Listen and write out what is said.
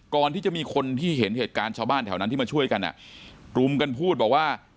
ก่อนที่จะมีคนที่เห็นเหตุการณ์ชาวบ้านแถวนั้นที่มาช่วยกันอ่ะรุมกันพูดบอกว่า